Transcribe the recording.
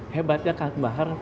hebatnya kang bahar